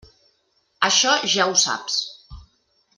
Això ja ho saps.